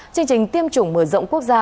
chương trình tiêm chủng mở rộng quốc gia